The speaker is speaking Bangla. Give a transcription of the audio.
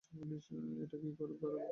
এটা কি কারো বাড়ি ধ্বংস করে দিতে পারে?